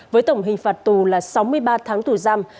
với tổng hình phạt tù là sáu mươi ba tháng tù giam